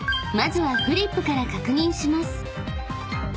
［まずはフリップから確認します］